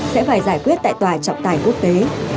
sẽ phải giải quyết tại tòa trọng tài quốc tế